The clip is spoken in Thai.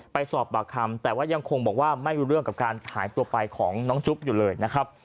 ไปสอบปากคำแต่ว่ายังคงบอกว่าไม่รู้เรื่องกับการหายตัวไปของน้องจุ๊บอยู่เลยนะครับ